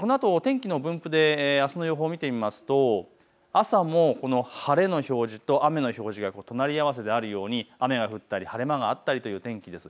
あすの予報を見てみると朝も晴れの表示と雨の表示が隣り合わせであるように雨が降ったり晴れ間があったりという天気です。